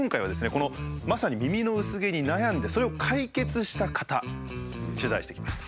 このまさに耳の薄毛に悩んでそれを解決した方取材してきました。